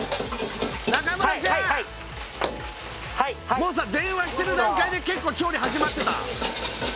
もうさ電話してる段階で結構調理始まってた？